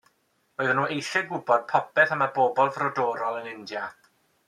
Roedden nhw eisiau gwybod popeth am y bobl frodorol yn India.